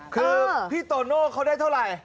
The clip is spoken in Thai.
คือพี่โตโน่เขาได้เท่าไหร่